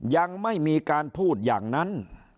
ยังไม่มีการพูดอย่างนั้น